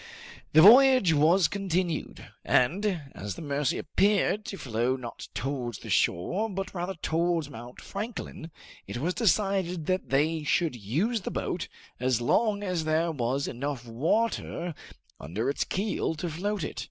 The voyage was continued, and as the Mercy appeared to flow not towards the shore, but rather towards Mount Franklin, it was decided that they should use the boat as long as there was enough water under its keel to float it.